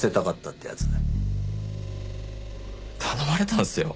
頼まれたんすよ。